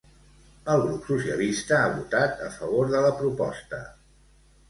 El grup socialista ha votat a favor de la proposta.